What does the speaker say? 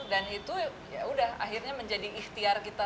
dan itu ya sudah akhirnya menjadi ikhtiar kita